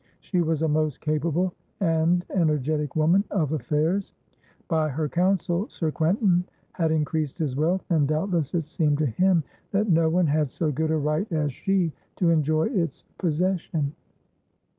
She was a most capable and energetic woman of affairs; by her counsel, Sir Quentin had increased his wealth, and doubtless it seemed to him that no one had so good a right as she to enjoy its possession.